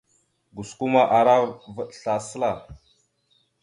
Osko ma ara vaɗ slasəla.